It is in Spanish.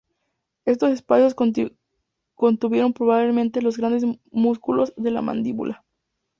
Estos espacios contuvieron probablemente los grandes músculos de la mandíbula.